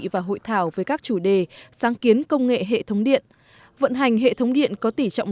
và hội thảo với các chủ đề sáng kiến công nghệ hệ thống điện vận hành hệ thống điện có tỉ trọng